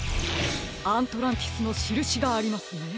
アントランティスのしるしがありますね。